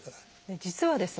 実はですね